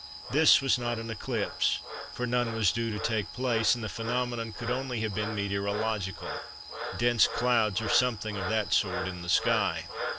This was not an eclipse, for none was due to take place; and the phenomenon could only have been meteorological—dense clouds or something of that sort in the sky.